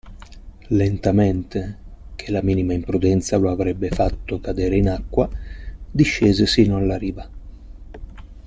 Lentamente, ché la minima imprudenza lo avrebbe fatto cadere in acqua, discese sino alla riva.